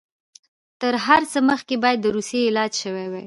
تر هر څه مخکې باید د روسیې علاج شوی وای.